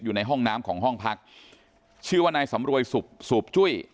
อยู่ในห้องน้ำของห้องพักชื่อว่านายสำรวยสูบจุ้ย